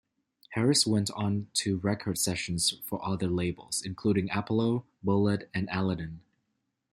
Harris went on to record sessions for other labels, including Apollo, Bullet and Aladdin.